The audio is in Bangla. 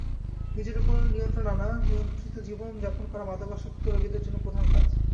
নিজের ওপর নিয়ন্ত্রণ আনা, নিয়ন্ত্রিত জীবন-যাপন করা মাদকাসক্ত রোগীদের জন্য প্রধান কাজ।